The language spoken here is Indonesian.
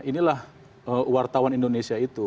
inilah wartawan indonesia itu